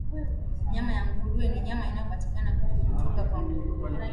Nyama ya nguruwe ni nyama inayopatikana kutoka kwa nguruwe.